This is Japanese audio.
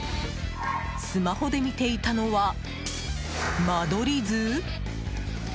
スマホで見ていたのは間取り図？